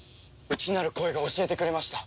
内なる声が教えてくれました。